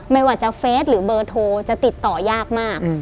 ไม่ว่าจะเฟสหรือเบอร์โทรจะติดต่อยากมาก